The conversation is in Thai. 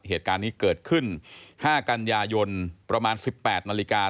เหตุการณ์นี้เกิดขึ้น๕กันยายนประมาณ๑๘นาฬิกา